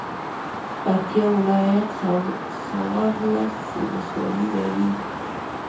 پکتيا ولايت څوارلس ولسوالۍ لري.